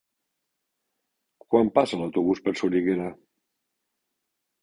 Quan passa l'autobús per Soriguera?